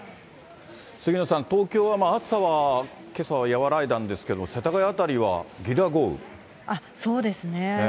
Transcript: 杉野さん、東京は暑さはけさは和らいだんですけれども、世田谷辺りはゲリラそうですね。